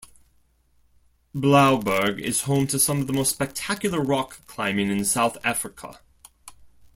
Blouberg is home to some of the most spectacular rock climbing in South Africa.